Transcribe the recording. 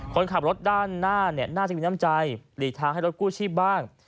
คนขับรถด้านหน้าน่าจะมีน้ำใจหลีกทางให้รถกู้ชีพบ้าง